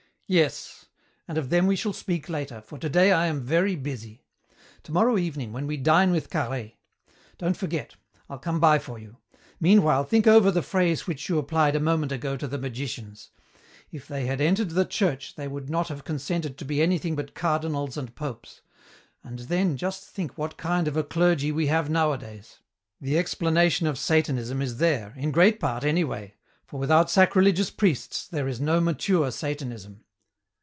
"Yes, and of them we shall speak later, for today I am very busy. Tomorrow evening, when we dine with Carhaix. Don't forget. I'll come by for you. Meanwhile think over the phrase which you applied a moment ago to the magicians: 'If they had entered the Church they would not have consented to be anything but cardinals and popes,' and then just think what kind of a clergy we have nowadays. The explanation of Satanism is there, in great part, anyway, for without sacrilegious priests there is no mature Satanism."